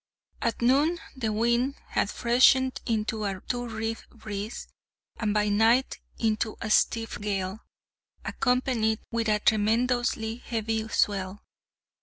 At noon the wind had freshened into a two reef breeze, and by night into a stiff gale, accompanied with a tremendously heavy swell.